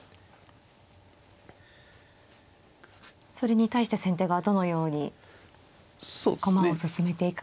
それに対して先手がどのように駒を進めていくか。